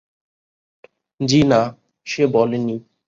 জি-না, সে বলে নি।